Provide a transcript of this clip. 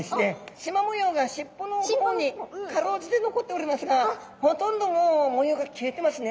しま模様がしっぽのほうにかろうじて残っておりますがほとんどもう模様が消えてますね。